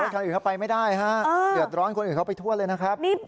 คันอื่นเข้าไปไม่ได้ฮะเดือดร้อนคนอื่นเข้าไปทั่วเลยนะครับ